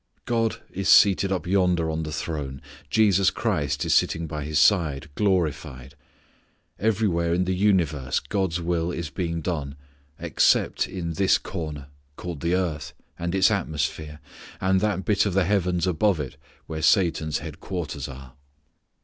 God is seated up yonder on the throne. Jesus Christ is sitting by His side glorified. Everywhere in the universe God's will is being done except in this corner, called the earth, and its atmosphere, and that bit of the heavens above it where Satan's headquarters are.